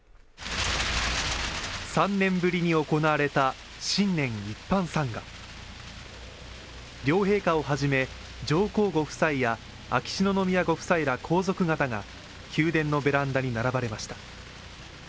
３年ぶりに行われた新年一般参賀両陛下をはじめ、上皇ご夫妻や秋篠宮ご夫妻ら皇族方が宮殿のベランダに並ばれました。